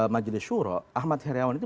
majulis syuro ahmad heriawan itu